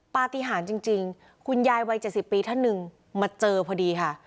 ปฏิหารจริงจริงคุณยายวัยเจ็ดสิบปีเท่านึงมาเจอพอดีค่ะ